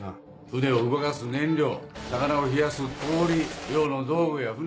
船を動かす燃料魚を冷やす氷漁の道具や船